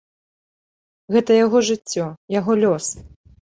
Гэта яго жыццё, яго лёс.